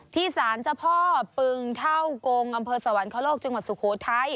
สารเจ้าพ่อปึงเท่ากงอำเภอสวรรคโลกจังหวัดสุโขทัย